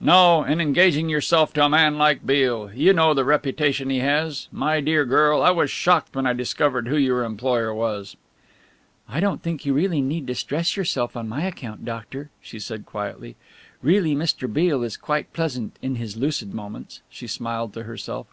"No, in engaging yourself to a man like Beale. You know the reputation he has! My dear girl, I was shocked when I discovered who your employer was." "I don't think you need distress yourself on my account, doctor," she said quietly. "Really, Mr. Beale is quite pleasant in his lucid moments," she smiled to herself.